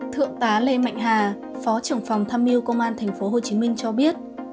thượng tá lê mạnh hà phó trưởng phòng tham mưu công an tp hcm cho biết